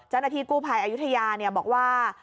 จรภีร์กู้ภัยอายุทยาบอกว่า